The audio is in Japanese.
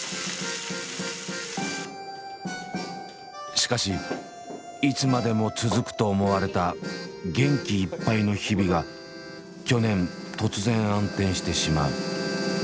しかしいつまでも続くと思われた元気いっぱいの日々が去年突然暗転してしまう。